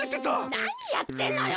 なにやってんのよ！